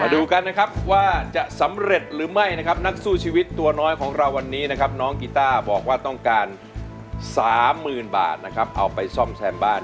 ดูกันนะครับว่าจะสำเร็จหรือไม่นะครับนักสู้ชีวิตตัวน้อยของเราวันนี้นะครับน้องกีต้าบอกว่าต้องการ๓๐๐๐บาทนะครับเอาไปซ่อมแซมบ้าน